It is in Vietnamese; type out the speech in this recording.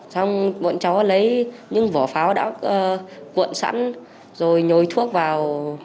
xong bọn cháu lấy những vỏ pháo đã cuộn sẵn rồi nhồi thuốc vào